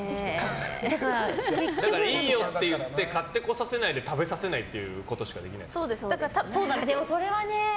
いいよって言って買ってこさせないで食べさせないっていうことしかできないですね。